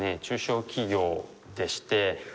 中小企業でして。